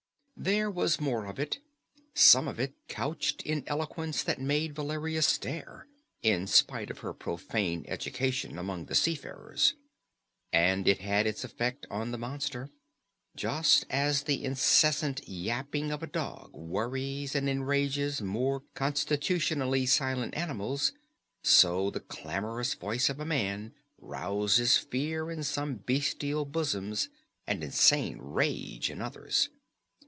There was more of it some of it couched in eloquence that made Valeria stare, in spite of her profane education among the seafarers. And it had its effect on the monster. Just as the incessant yapping of a dog worries and enrages more constitutionally silent animals, so the clamorous voice of a man rouses fear in some bestial bosoms and insane rage in others.